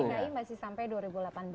kalau kpud masih sampai dua ribu delapan belas